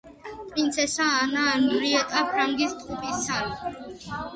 პრინცესა ანა ანრიეტა ფრანგის ტყუპისცალი.